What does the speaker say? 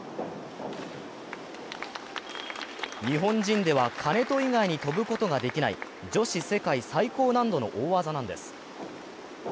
日本人では金戸以外に飛ぶことができない女子世界最高難度の大技なんです。